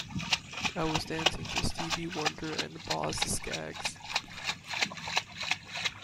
I was dancing to Stevie Wonder and Boz Scaggs.